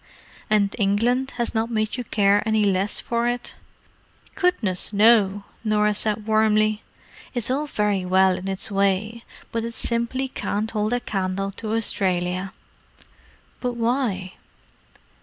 "And England has not made you care any less for it?" "Goodness, no!" Norah said warmly. "It's all very well in its way, but it simply can't hold a candle to Australia!" "But why?"